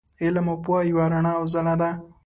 علم او پوهه یوه رڼا او ځلا ده.